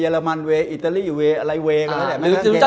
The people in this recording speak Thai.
ยาลำันเวอิตาลิเวเมื่อกัน